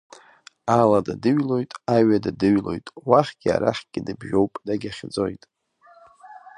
Алада дыҩлоит, аҩада дыҩлоит, уахьгьы арахьгьы дыбжьоуп, дагьахьӡоит.